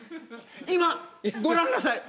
今ご覧なさい！